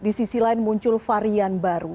di sisi lain muncul varian baru